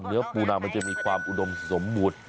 เนื้อปูนามันจะมีความอุดมสมบูรณ์